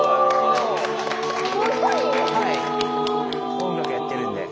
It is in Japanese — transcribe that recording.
音楽やってるんで。